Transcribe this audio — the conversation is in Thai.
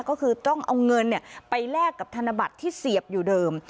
ก็คือต้องเอาเงินไปแลกกับธนบัตรที่เสียบอยู่เดิม